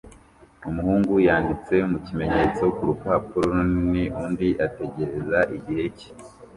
Umuhungu yanditse mu kimenyetso ku rupapuro runini undi ategereza igihe cye